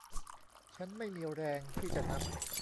ฉันไม่มีแรงที่จะนับ